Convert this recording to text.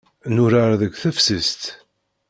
Nurar deg teftist.